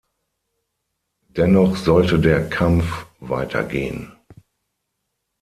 Dennoch sollte der Kampf weitergehen.